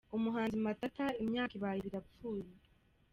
Umuhanzi Matata imyaka ibaye ibiri apfuye